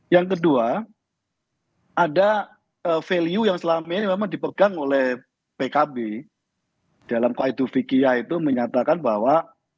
yang kedua ada value yang selama ini memang dipegang oleh pkb dalam qaedu fikiyah itu menyatakan bahwa